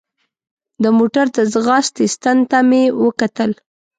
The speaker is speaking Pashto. د موټر د ځغاستې ستن ته مې وکتل.